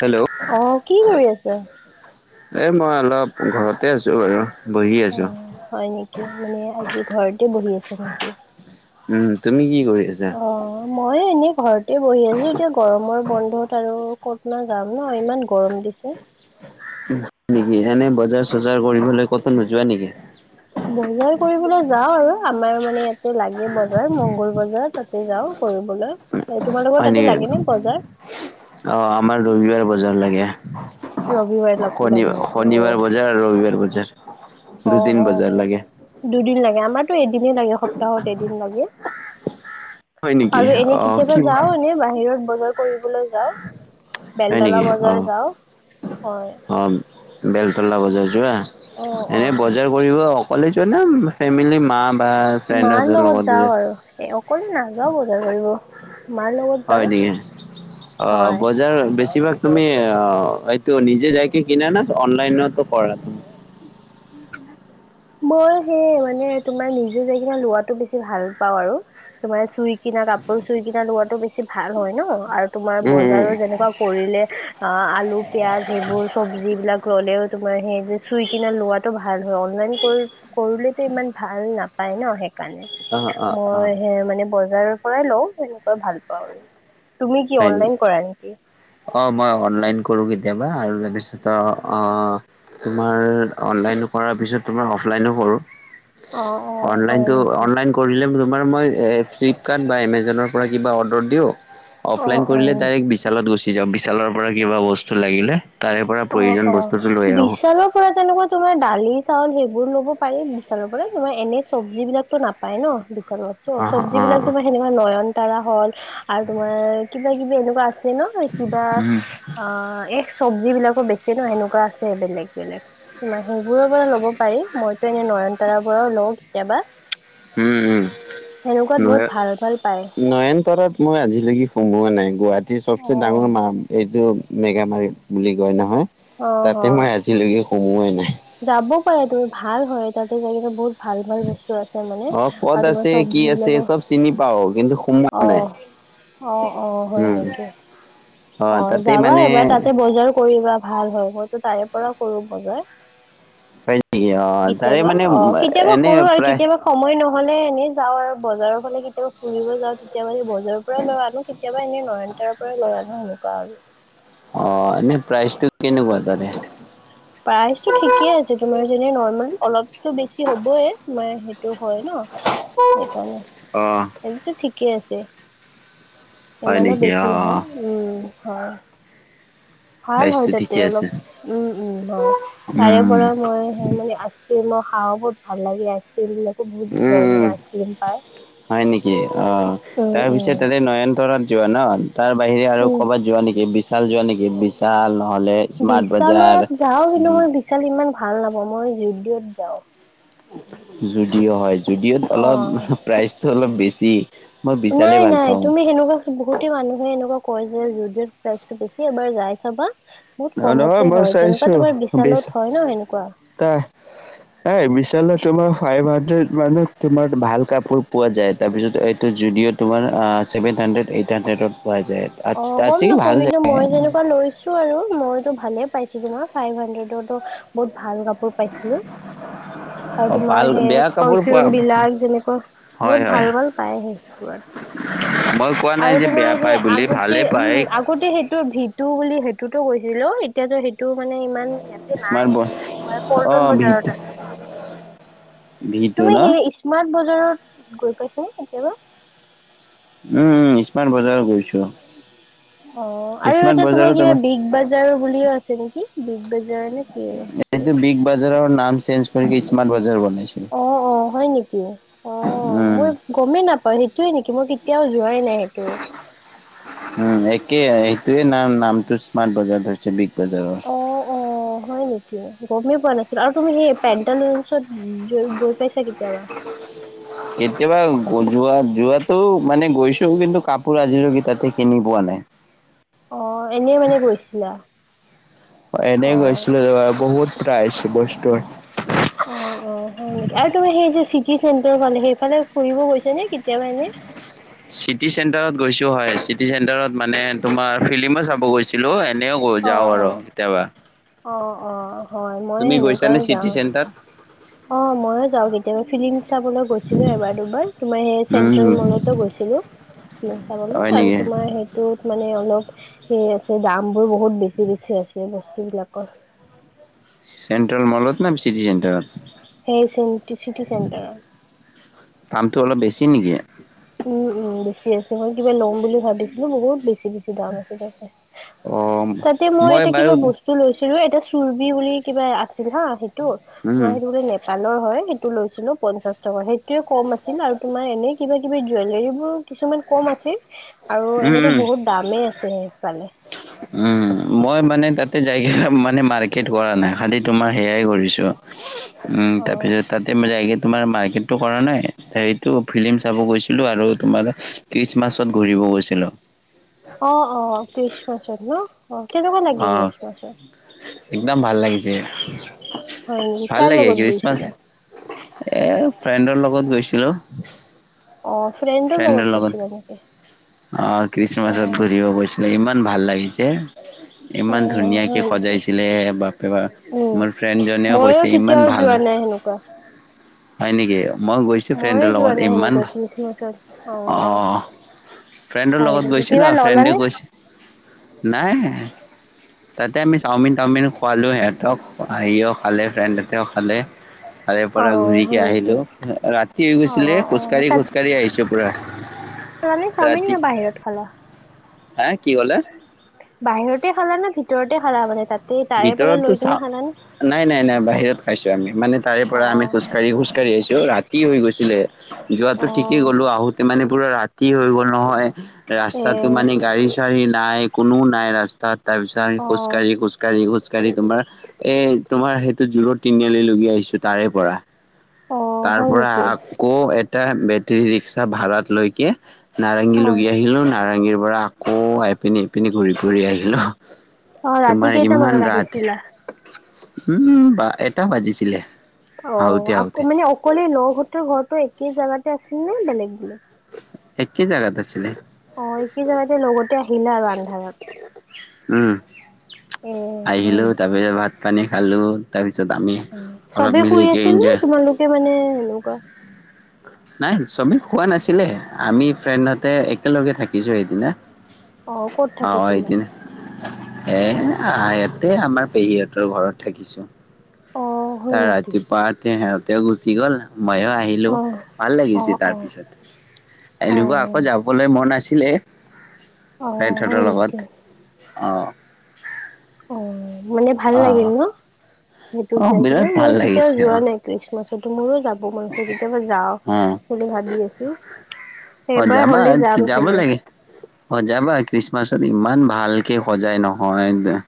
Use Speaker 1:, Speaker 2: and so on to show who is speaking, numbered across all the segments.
Speaker 1: Hello
Speaker 2: অ, কি কৰি আছে?
Speaker 1: এই, মই অলপ ঘৰতে আছোঁ, বাৰু। বহি
Speaker 2: অ,
Speaker 1: আছো।
Speaker 2: হয় নেকি! মানে আজি ঘৰতে বহি আছে নেকি!
Speaker 1: উম, তুমি কি কৰি আছা?
Speaker 2: অ মই এনেই ঘৰতে বহি আছো, এতিয়া গৰমৰ বন্ধত আৰু ক'তনো যাম ন! ইমান গৰম দিছে।
Speaker 1: [unintelligible] বজাৰ-চজাৰ কৰিবলৈ ক'তো নোযোৱা নেকি!
Speaker 2: বজাৰ কৰিবলৈ যাও আৰু, আমাৰ মানে ইয়াতে লাগে বজাৰ, মংগল বজাৰ, তাতে যাওঁ কৰিবলে।
Speaker 1: হয় নেকি! আহ, আমাৰ ৰবিবাৰে বজাৰ লাগে।
Speaker 2: ৰবিবাৰে লগ
Speaker 1: শনিব,
Speaker 2: লাগে নেকি অ
Speaker 1: শনিবাৰ বজাৰ আৰু ৰবিবাৰ বজাৰ।
Speaker 2: অ,
Speaker 1: দুদিন
Speaker 2: অ,
Speaker 1: বজাৰ লাগে
Speaker 2: দুদিন লাগে, আমাৰতো এদিনে লাগে, সপ্তাহত এদিন লাগে।
Speaker 1: হয় নেকি
Speaker 2: আৰু এনে
Speaker 1: অ
Speaker 2: কেতিয়াবা
Speaker 1: কি
Speaker 2: যাও এনেই বাহিৰত বজাৰ কৰিবলৈ যাওঁ।
Speaker 1: হয়
Speaker 2: বেলতলা
Speaker 1: নেকি অ
Speaker 2: বজাৰ যাও, হয়।
Speaker 1: অ বেলতলা বজাৰ যোৱা,
Speaker 2: অ',
Speaker 1: এনেই
Speaker 2: অ',
Speaker 1: বজাৰ [unintelligible] অকলেই যোৱা নে, ফেমিলি মা বা
Speaker 2: মাৰ
Speaker 1: ফ্ৰেণ্ডৰ
Speaker 2: লগত
Speaker 1: লগতে
Speaker 2: যাওঁ
Speaker 1: যোৱা।
Speaker 2: আৰু এ, অকলে নাযাও বজাৰ কৰিব, মাৰ লগত যাওঁ
Speaker 1: হয় নেকি! অ,
Speaker 2: হয়।
Speaker 1: বজাৰ বেছিভাগ তুমি অ এইটো নিজে যায় কিনা না, অনলাইনত কৰা?
Speaker 2: মই সেই মানে তোমাৰ নিজে যায় কিনা লোৱাটো বেছি ভাল পাওঁ আৰু। তোমাৰ চুই কিনা কাপোৰ, চুই কিনা লোৱাটো বেছি ভাল হয় ন, আৰু তোমাৰ
Speaker 1: উম, উম।
Speaker 2: বজাৰৰ যেনেকুৱা কৰিলে, অ, আলু, পিয়াজ, এইবোৰ চব্জি বিলাক ল'লেও তোমাৰ সেই যে চুই কিনা লোৱাটো ভাল হয়। অনলাইন [unintelligible] ইমান ভাল নাপায় ন, সেইকাৰণে
Speaker 1: অ', অ', অ'
Speaker 2: মই এ, মানে বজাৰৰ পৰাই লওঁ, সেনেকা ভাল পাওঁ আৰু, তুমি কি
Speaker 1: হয় নেকি?
Speaker 2: অনলাইন কৰা নেকি?
Speaker 1: অ, মই অনলাইন কৰো কেতিয়াবা, আৰু তাৰপিছত আহ অ, অ তোমাৰ অনলাইন কৰাৰ পিছত, তোমাৰ অফলাইনো কৰো।
Speaker 2: অ', অ', হয়
Speaker 1: অনলাইনতো,
Speaker 2: নেকি?
Speaker 1: অনলাইন কৰিলে তোমাৰ মই ফ্লিপকাৰ্ট বা এমেজনৰ পৰা কিবা অৰ্ডাৰ দিওঁ। অফলাইন
Speaker 2: অ',
Speaker 1: কৰিলে
Speaker 2: অ',
Speaker 1: ডাইৰেক্ট বিশালত গুচি যাওঁ, বিশালৰ পৰা কিবা বস্তু লাগিলে তাৰে পৰা প্ৰয়োজন বস্তুটো লৈ আহোঁ।
Speaker 2: ধৰা, তেনেকুৱা তোমাৰ দালি, চাউল সেইবোৰ লব পাৰি বিশালৰ পৰা, তোমাৰ এনে চব্জি বিলাকটো নাপায় ন।
Speaker 1: অ',
Speaker 2: চজ্বিবিলাক
Speaker 1: অ',
Speaker 2: তোমাৰ সেনেকুৱা নয়নতাৰা হ'ল আৰু, তোমাৰ কিবা-কিবি এনেকুৱা আছে ন, কিবা
Speaker 1: উম,
Speaker 2: অ, এই চবজি বিলাকৰ বেছি আছে ন, এনেকুৱা আছে বেলেগ-বেলেগ। তোমাৰ সেইবোৰৰ পৰা ল'ব পাৰি, মইতো এনে নয়নতাৰ পৰাও লওঁ, কেতিয়াবা।
Speaker 1: উমঁ উমঁ!
Speaker 2: সেনেকুৱাত বহুত ভাল ভাল পায়।
Speaker 1: নয়নতৰাত মই আজিলৈকে সোমোৱা নাই গুৱাহাটীৰ সবছে ডাঙৰ মা এইটো- মেগামাৰী বুলি কয় নহয়
Speaker 2: অ
Speaker 1: তাতে
Speaker 2: হয়।
Speaker 1: মই আজিলৈকে সোমোৱাই নাই।
Speaker 2: যাব পাৰে তুমি ভাল হয় তাতে যায়কেনে বহুত- ভাল ভাল বস্তু আছে মানে
Speaker 1: অ ক'ত
Speaker 2: আৰু তোমাৰ
Speaker 1: আছে কি
Speaker 2: সবজি
Speaker 1: আছে
Speaker 2: বিলাকো
Speaker 1: চব চিনি পাও কিন্তু সোমোৱা
Speaker 2: অঁ।
Speaker 1: নাই
Speaker 2: অঁ অঁ হয়
Speaker 1: উম
Speaker 2: নেকি?
Speaker 1: অ
Speaker 2: অঁ
Speaker 1: তাতে
Speaker 2: যাবা
Speaker 1: মানে
Speaker 2: এবাৰ তাতে বজাৰ কৰিবা ভাল হয় মইতো তাৰে পৰাই কৰো বজাৰ।
Speaker 1: হয় নেকি অ তাৰে
Speaker 2: কেতিয়াবা
Speaker 1: মানে
Speaker 2: অঁ কেতিয়াবা
Speaker 1: এনে
Speaker 2: কৰো আৰু
Speaker 1: প্ৰাইচ
Speaker 2: কেতিয়াবা। সময় নহলে এনে যাওঁ আৰু বজাৰৰ ফালে কেতিয়াবা ফুৰিব যাওঁ তেতিয়া সেই বজাৰ। পৰা লৈ আনো কেতিয়াবা এনেই নয়নতৰাৰ পৰাই লৈ আনো সেনেকুৱা আৰু।
Speaker 1: অঁ এনেই প্ৰাইচটো কেনেকুৱা তাতে
Speaker 2: প্ৰাইচটো ঠিকে আছে তোমাৰ যেনে নৰ্মাল অলপটো বেছি হ'বই মানে সেইটো হয় ন। সেইকাৰণে।
Speaker 1: অঁ!
Speaker 2: এনে টো ঠিকে আছে।
Speaker 1: হয়
Speaker 2: ইমানো
Speaker 1: নেকি
Speaker 2: বেছি
Speaker 1: অ
Speaker 2: নহয় উমঁ হয়। ভাল হয়
Speaker 1: প্ৰাইচটো
Speaker 2: তাতে
Speaker 1: ঠিকে
Speaker 2: অলপ
Speaker 1: আছে
Speaker 2: উমঁ উমঁ হয় তাৰে
Speaker 1: উম
Speaker 2: পৰা মই সে মানে আছ- ক্ৰীম ও খাওঁ বহুত ভাল লাগে আইচ ক্ৰীম বিলাকো বহুত ধৰণৰ আইচ ক্ৰীম পায়।
Speaker 1: হয়ঁ নেকি অঁ
Speaker 2: উম
Speaker 1: তাৰ পিছত
Speaker 2: উম
Speaker 1: তাৰে নয়নতৰাত- যোৱা ন তাৰ বাহিৰে আৰু
Speaker 2: উম
Speaker 1: ক'বাত যোৱা নেকি বিশাল যোৱা নেকি বিশাল নহ'লে- স্মাৰ্ট বজাৰ
Speaker 2: বিশালত যাওঁ কিন্তু
Speaker 1: উম,
Speaker 2: মই বিশাল ইমান ভাল নাপাওঁ মই জদিঅ'ত যাওঁ।
Speaker 1: জুদিঅ' হয়ঁ জুদিঅ'ত অলপ
Speaker 2: অ
Speaker 1: প্ৰাইচটো অলপ বেছি। মই বিশালে
Speaker 2: নাই
Speaker 1: ভাল
Speaker 2: নাই
Speaker 1: পাওঁ।
Speaker 2: তুমি সেনেকুৱা বহুত। মানুহে এনেকুৱা কয় যে যদিঅ'ত প্ৰাইজটো বেছি এবাৰ যাই চাবা। বহুত
Speaker 1: অ', নহয়
Speaker 2: কমতে
Speaker 1: মই
Speaker 2: হয় যেনেকুৱা তোমাৰ বিশালত হয়ঁ ন সেনেকুৱা।
Speaker 1: তাই এ বিশালত তোমাৰ ফাইভ হাড্ৰেড মানত তোমাৰ ভাল কাপোৰ পোৱা যায় তাৰপিছত এইটো যদিঅ'ত। তোমাৰ আ ছেভেন হাণ্ড্ৰেড এইট হাণ্ড্ৰেডত পোৱা যায়। তাত
Speaker 2: অঁ
Speaker 1: তাত
Speaker 2: গ'ম
Speaker 1: ভাল
Speaker 2: নাপাবি
Speaker 1: জেগা
Speaker 2: ন মই জানো লৈছো আৰু মইতো ভালে পাইছো তোমাৰ ফাইভ হাড্ৰেডৰো। বহুত ভাল কাপোৰ পাইছিলো। আৰু তোমাৰ
Speaker 1: ভাল
Speaker 2: সেই
Speaker 1: বেয়া কাপোৰ পোৱা
Speaker 2: পাৰফিউম বিলাক যেনেকুৱা
Speaker 1: হয়
Speaker 2: বহুত
Speaker 1: হয়।
Speaker 2: ভাল ভাল পায় সেইবোৰত।
Speaker 1: মই কোৱা নাই যে বেয়া পায় বুলি ভালে পায়।
Speaker 2: ক'ত এ সেইটো ভিতু বুলি সেইটোতো কৈছিলোঁ। এতিয়াতো সেইটো মানে ইমান ইয়াতে নাই
Speaker 1: স্মাৰ্ট ব
Speaker 2: তোমাৰ
Speaker 1: অ
Speaker 2: পল্টন বজাৰত আছে।
Speaker 1: ভি টু
Speaker 2: তুমি
Speaker 1: ন।
Speaker 2: সেই স্মাৰ্ট বজাৰত গৈ পাইছে নে কেতিয়াবা?
Speaker 1: উমঁ উমঁ স্মাৰ্ট বজাৰৰ গৈছোঁ।
Speaker 2: অঁ আৰু এটা তোমাৰ
Speaker 1: বজাৰত
Speaker 2: কিবা
Speaker 1: আমাৰ
Speaker 2: বিগ বাজাৰ বুলিও আছে নেকি বিগ বাজাৰ নে কি আছে?
Speaker 1: এইটো বিগ বাজাৰৰ নাম চেঞ্জ কৰি স্মাৰ্ট বাজাৰ বনাইছে।
Speaker 2: অঁ অঁ হয় নেকি অঁ
Speaker 1: উম
Speaker 2: মই- গমেই নাপাওঁ সেইটোয়ে নেকি মই কেতিয়াওঁ যোৱাই নাই সেইটো।
Speaker 1: উমঁ একেই এইটোয়ে নাম নামটো স্মাৰ্ট বজাৰ ধৰিছে বিগ বজাৰৰ।
Speaker 2: অঁ অঁ! হয় নেকি গমেই পোৱা নাছিলো আৰু তুমি সেই পেন্টালুইটত গৈ পাইছা কেতিয়াবা? [inaudible]
Speaker 1: কেতিয়াবা যোৱা যোৱাটো মানে গৈছো কিন্তু কাপোৰ আজিলৈকে তাতে কিনি পোৱা নাই
Speaker 2: অ এনেই মানে গৈছিলা?
Speaker 1: অ এনেই
Speaker 2: অ'
Speaker 1: গৈছিলো এবাৰ বহুত প্ৰাইজ বস্তুৰ
Speaker 2: অ অ হয় নেকি, আৰু তোমাৰ সেই যে চিটি চেণ্টাৰ ফালে সেইফালে ফুৰিব গৈছা নে কেতিয়াবা এনে?
Speaker 1: চিটি চেণ্টাৰত গৈছো হয় চিটি চেণ্টাৰত মানে তোমাৰ ফিল্মো চাব গৈ ছিলো এনেও গ যাওঁ
Speaker 2: অ'
Speaker 1: আৰু
Speaker 2: অ'।
Speaker 1: কেতিয়াবা।
Speaker 2: অ অ হয় মই
Speaker 1: তুমি গৈছানে
Speaker 2: সেনেকুৱাই
Speaker 1: চিটি
Speaker 2: যাওঁ।
Speaker 1: চেণ্টাৰ
Speaker 2: অ মইয়ো যাও কেতিয়াবা ফিল্ম চাবলৈ গৈছিলো এবাৰ দুবাৰ তোমাৰ সেই চেন্ট্ৰেল
Speaker 1: উম
Speaker 2: মলতো গৈছিলো ফ্লিম চাবলৈ
Speaker 1: হয়
Speaker 2: আৰু
Speaker 1: নেকি
Speaker 2: তোমাৰ হে ত মানে অলপ সেই আছে দাম বোৰ বহুত বেছি বেছি আছে বস্তু বিলাকৰ
Speaker 1: চেণ্ট্ৰেল মলত নে চিটি চেণ্টাৰ?
Speaker 2: সেই চিটি চেণ্টাৰত।
Speaker 1: দামটো অলপ বেছি নেকি?
Speaker 2: উম উম বেছি আছে মই কিবা ল'ম বুলি ভাবিছিলো বহুত বেছি বেছি দাম আছিলে তাতে।
Speaker 1: অ
Speaker 2: তাতে মই এটা কিবা ব স্তু লৈছিলো এটা চুৰ্বি বুলি কিবা আছিল হা সেইটো মই
Speaker 1: উম
Speaker 2: সেইটো বোলে নে পালৰ হয় সেইটো লৈছিলো পঞ্চাশ টকা সেইটোয়ে কম আছিল আৰু তোমাৰ এনে কিবা কিবি জুৱেলেৰী বোৰ কিছুমান কম আছিল আৰু
Speaker 1: উম
Speaker 2: এনেতো
Speaker 1: উম
Speaker 2: বহুত দামেই আছে একফালে
Speaker 1: উম মই মানে তাতে যাই মানে মাৰ্কেট কৰা নাই খালি তোমাৰ সেয়াই কৰিছো।
Speaker 2: [inaudible]
Speaker 1: উম
Speaker 2: অ
Speaker 1: তাৰপিছত তাতে মই যায় কে তোমাৰ মাৰ্কেটটো কৰা নাই সেইটো ফিল্ম চাব গৈছিলো আৰু তোমাৰ খ্ৰীষ্টমাছত ঘূৰিব গৈছিলো।
Speaker 2: অ অ খ্ৰীষ্টমাছত ন অ কেনেকুৱা লাগিল
Speaker 1: অ
Speaker 2: খ্ৰীষ্টমাছত?
Speaker 1: একদম ভাল লাগিছে
Speaker 2: হয় নেকি
Speaker 1: ভাল
Speaker 2: কাৰ
Speaker 1: লাগে
Speaker 2: লগত
Speaker 1: খ্ৰীষ্টমাছ
Speaker 2: গৈছিলা
Speaker 1: এ ফ্ৰেণ্ডৰ লগত গৈছিলো।
Speaker 2: অ ফ্ৰেণ্ড
Speaker 1: ফ্ৰেণ্ডৰ লগত অ
Speaker 2: অ
Speaker 1: খ্ৰীষ্টমাছত ঘূৰিব গৈছিলে ইমান ভাল লাগিছে
Speaker 2: এ
Speaker 1: ইমান ধুনীয়াকে
Speaker 2: হয় নেকি
Speaker 1: সজাইছিলে বাপৰে বাপ
Speaker 2: উম
Speaker 1: মোৰ ফ্ৰেণ্ডজনেও কৈছে ইমান ভাল
Speaker 2: কোৱা
Speaker 1: হয় নেকি মই গৈছো
Speaker 2: মইয়ে
Speaker 1: ফ্ৰেণ্ডৰ
Speaker 2: যোৱা
Speaker 1: লগত
Speaker 2: নাই
Speaker 1: ইমান
Speaker 2: সেনেকুৱা
Speaker 1: ভাল
Speaker 2: খ্ৰীষ্টমাছত অ
Speaker 1: অহ ফ্ৰেণ্ডৰ
Speaker 2: হয়
Speaker 1: লগত
Speaker 2: নেকি
Speaker 1: গৈছে
Speaker 2: কিবা
Speaker 1: ন
Speaker 2: ললানে
Speaker 1: ফ্ৰেণ্ডে নাই তাতে আমি চাওমিন টাওমিন খোৱালো সিহঁতক সিও খালে ফ্ৰেণ্ডহঁতেও খালে। তাৰে
Speaker 2: অ
Speaker 1: পৰা ঘুৰিকে
Speaker 2: হয় নেকি
Speaker 1: আহিলো ৰাতি হৈ
Speaker 2: অ
Speaker 1: গৈছিলে খোজকাঢ়ি
Speaker 2: অ
Speaker 1: খোজকাঢ়ি খোজকাঢ়ি আহিছো পুৰা।
Speaker 2: চোৱা চাওমিন
Speaker 1: ৰাতি
Speaker 2: নে বাহিৰত খালা
Speaker 1: হা কি ক'লে
Speaker 2: বাহিৰতে খালা নে ভিতৰতে খালা মানে তাত?
Speaker 1: ভিতৰতো চাও নাই নাই নাই বাহিৰত খাইছো আমি মানে তাৰে
Speaker 2: অ
Speaker 1: পৰা আমি খোজ কাঢ়ি খোজকাঢ়ি আহিছো ৰাতি হৈ গৈছিলে যোৱাটো
Speaker 2: অ
Speaker 1: ঠিকেই গ'লো আহোতে মানে পুৰা ৰাতি কি হৈ গ'ল নহয়
Speaker 2: এ
Speaker 1: ৰাস্তাটো মানে গাড়ী চাড়ী নাই, কোনোও নাই ৰাস্তাত। তাৰপিছত আমি
Speaker 2: অ
Speaker 1: খোজকাঢ়ি খোজকাঢ়ি- খোজকাঢ়ি খোজকাঢ়ি তোমাৰ এ তোমাৰ সেইটো জো ৰদ তিনিআলি লগি আহিছো তাৰে পৰা।
Speaker 2: অ
Speaker 1: তাৰ
Speaker 2: হয়
Speaker 1: পৰা
Speaker 2: নেকি
Speaker 1: আকৌ এটা বেটেৰী ৰিক্সা ভাড়াত লৈকে- নাৰেংগী
Speaker 2: অ
Speaker 1: লগি আহিলো, নাৰেংগীৰ পৰা আকৌ এইপিনি এইপিনি ঘূৰি ফুৰি আহিলোঁ।
Speaker 2: অঁ, ৰাতি কেইটা-
Speaker 1: ইমান ৰাতি মানে বা এটা বাজিছিলে।
Speaker 2: অঁ,
Speaker 1: আহোতে আহোতে
Speaker 2: আকৌ মানে অকলে লগহঁতৰ ঘৰটো একে জাগাতে আছিল নে বেলেগ বেলেগ!
Speaker 1: একেই জাগাত আছিলে।
Speaker 2: অঁ, একেই জাগাতে লগতে আহিলা আৰু আন্ধাৰত।
Speaker 1: উম,
Speaker 2: এ হয়
Speaker 1: আহিলো তাৰ
Speaker 2: নেকি
Speaker 1: পিছত ভাত -পানী খালো। তাৰপিছত আমি অলপ মিলিকে ইঞ্জয়-
Speaker 2: তে মানে এনেকুৱা-
Speaker 1: নাই চবেই শুৱা নাছিলে, আমি ফ্ৰেণ্ডহতে একেলগে থাকিছো সেইদিনা।
Speaker 2: অ ক'ত
Speaker 1: অঁ,
Speaker 2: থাকিছিলা
Speaker 1: সেইদিনা। এ ইয়াতে আমাৰ পেহীহঁতৰ ঘৰত থাকিছো।
Speaker 2: অঁ।
Speaker 1: তাৰ ৰাতিপুৱা উঠি সিহঁতেও গুচি গ'ল, মইও আহিলোঁ।
Speaker 2: অ
Speaker 1: ভাল
Speaker 2: অ
Speaker 1: লাগিছে
Speaker 2: অ
Speaker 1: তাৰ পিছত।
Speaker 2: অ
Speaker 1: এনেকুৱা আকৌ যাবলৈ মন আছিলে
Speaker 2: অ হয়
Speaker 1: ফ্ৰেণ্ডহঁতৰ
Speaker 2: নেকি
Speaker 1: লগত। অঁ।
Speaker 2: অঁ, মানে ভাল লাগিল
Speaker 1: অ
Speaker 2: ন সেইটোত
Speaker 1: অ',
Speaker 2: যাই কিনে।
Speaker 1: বিৰাট ভাল
Speaker 2: মই কেতিয়াও
Speaker 1: লাগিছে
Speaker 2: যোৱা
Speaker 1: অ',
Speaker 2: নাই। খ্ৰীষ্টমাছতো মোৰো যাব মন আছে, কেতিয়াবা যাওঁ বুলি ভাবি আছো।
Speaker 1: অঁ,
Speaker 2: এইবাৰ
Speaker 1: যাবা,
Speaker 2: হ'লে যাম
Speaker 1: যাব
Speaker 2: চাগে
Speaker 1: লাগে। অঁ, যাবা খ্ৰীষ্টমাছত ইমান ভালকে সজাই নহয়।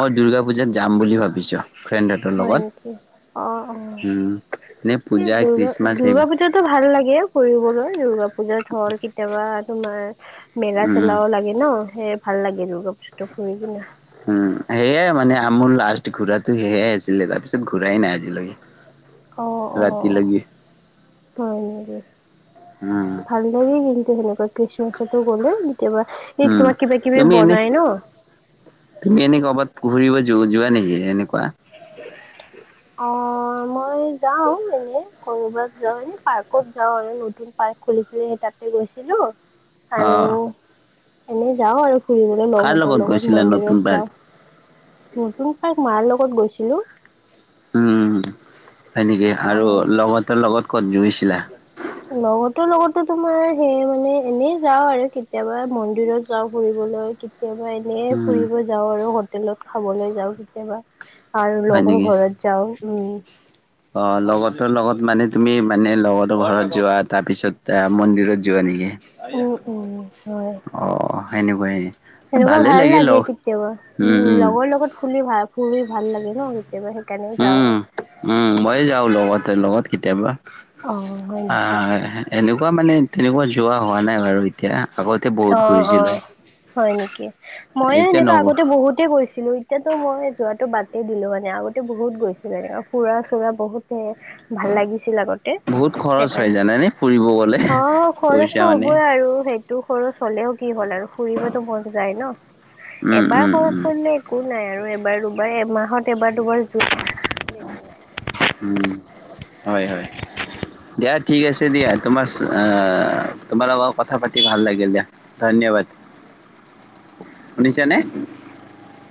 Speaker 1: মই দুৰ্গা পূজাত যাম বুলি ভাবিছোঁ। ফ্ৰেণ্ডহঁতৰ
Speaker 2: হয় নেকি অ অ
Speaker 1: লগত হম, এনেই
Speaker 2: এই
Speaker 1: পূজা,
Speaker 2: দুৰ্গা
Speaker 1: খ্ৰীষ্টমাছ
Speaker 2: দুৰ্গা
Speaker 1: সেইবোৰত।
Speaker 2: পূজাতো ভাল লাগে ফুৰিবলৈ, দূৰ্গা পুজাত হ'ল কেতিয়াবা তোমাৰ মেলা
Speaker 1: উম,
Speaker 2: চেলাও। লাগে ন, সেয়ে ভাল লাগে দুৰ্গা পূজাটো ফুৰি কিনে।
Speaker 1: উম, সেয়াই মানে মোৰ লাষ্ট ঘূৰাতো সেয়াই আছিলে তাৰপিছত ঘূৰাই নাই আজিলৈকে।
Speaker 2: অঁ, অঁ,
Speaker 1: ৰাতিলৈকে
Speaker 2: হয় নেকি?
Speaker 1: উম,
Speaker 2: ভালে। মইয়ো কিন্তু সেনেকুৱা খ্ৰীষ্টমাছটো গ'লে কেতিয়াবা- এই
Speaker 1: হম,
Speaker 2: তোমাৰ কিবা কিবি
Speaker 1: তুমি এনেই-
Speaker 2: বনাই ন
Speaker 1: তুমি এনে ক'ৰবাত ফুৰিব যো যোৱা নেকি এনেকুৱা?
Speaker 2: অঁ, মই যাওঁ এনে। শনিবাৰত যাওঁ, এনে পাৰ্কত যাওঁ আৰু নতুন পাৰ্ক খুলিছিল সেই তাতে গৈছিলোঁ। আৰু
Speaker 1: অ'।
Speaker 2: এনে যাওঁ আৰু। ফুৰিবলৈ
Speaker 1: কাৰ
Speaker 2: লগহঁতৰ লগত
Speaker 1: গৈছিলা নতুন
Speaker 2: মন্দিৰত
Speaker 1: পাৰ্ক
Speaker 2: যাওঁ, নতুনকৈ মাৰ লগত গৈছিলোঁ।
Speaker 1: হম, হয় নেকি আৰু লগহঁতৰ লগত ক'বাত গৈছিলা?
Speaker 2: [inaudible] লগৰতোৰ লগতো তোমাৰ সেই মানে এনেই যাওঁ আৰু কেতিয়াবা মন্দিৰত যাওঁ ফুৰিবলৈ। [unintelligible] এনে
Speaker 1: উম
Speaker 2: ফুৰিব যাওঁ আৰু হোটেলত খাবলৈ যাওঁ কেতিয়াবা আৰু
Speaker 1: হয়
Speaker 2: লগৰ ঘৰত- যাওঁ, উম।
Speaker 1: অঁ, লগৰটোৰ লগত মানে তুমি মানে লগৰটোৰ ঘৰত যোৱা তাৰপিছত মন্দিৰত যোৱা নেকি? অ',
Speaker 2: উম, উম, হয়
Speaker 1: সেনেকুৱা নি?
Speaker 2: সেনেকুৱা ভাল লাগে কেতিয়াবা। উম, লগৰ লগত ফুলি ভাল, ফুৰি ভাল লাগে ন? কেতিয়াবা কেনে যাওঁ
Speaker 1: উম
Speaker 2: আৰু
Speaker 1: উম, মই যাওঁ লগতে, লগত কেতিয়াবা
Speaker 2: অ', হয় নেকি?
Speaker 1: তেনেকোৱাত যোৱা হোৱা নাই বাৰু, এত এতিয়া, আগতে বহুত
Speaker 2: অ',
Speaker 1: ঘূৰিছিলো
Speaker 2: অ', হয় নেকি? মইও
Speaker 1: এতিয়া
Speaker 2: এনেকুৱা
Speaker 1: নগৰ
Speaker 2: আগতে বহুত গৈছোঁ ছিলোঁ, এতিয়াতো মই, যোৱাটো বাদেই দিলোঁ, মানে আগতে বহুত গৈছিলোঁ, এনেকা ফুৰা-চুৰা বহুতে ভাল লাগিছিল আগত তে,
Speaker 1: বহুত খৰচ হয়
Speaker 2: সেইকাৰণে,
Speaker 1: জানানে ফুৰিব গলে
Speaker 2: অ',
Speaker 1: পইচা
Speaker 2: খৰচটো
Speaker 1: মানে
Speaker 2: হ'বই আৰু সেই খৰচ হ'লেও কি হ'ল আৰু ফুৰিবতো মন যায় ন?
Speaker 1: উম
Speaker 2: এবাৰ
Speaker 1: উম
Speaker 2: খৰচ
Speaker 1: উম
Speaker 2: কৰিলে একো নাই আৰু এবাৰ-দুবাৰ এমাহত, এবাৰ-দুবাৰ জোখ [unintelligible] একো নাই
Speaker 1: উম, হয়, হয়। দিয়া, ঠিক আছে দিয়া, তোমাৰ আ, তোমাৰ লগত কথা পাতি ভাল লাগিল দিয়া। ধন্যবাদ, শুনিছা নে?